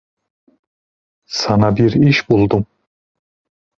Sana bir iş buldum!